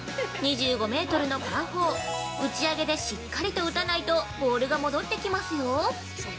２５メートルのパー４打ち上げでしっかりと打たないとボールが戻ってきますよ。